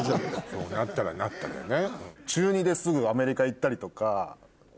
そうなったらなったでね。